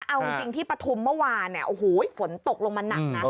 เอาจริงที่ปฐุมเมื่อวานเนี่ยโอ้โหฝนตกลงมาหนักนะ